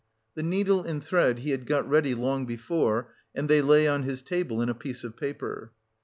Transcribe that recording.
The needle and thread he had got ready long before and they lay on his table in a piece of paper.